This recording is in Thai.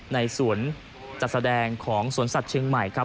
ในสวนจัดแสดงของสวนสัตว์เชียงใหม่ครับ